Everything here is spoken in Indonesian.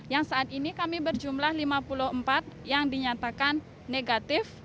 yang saat ini kami berjumlah lima puluh empat yang dinyatakan negatif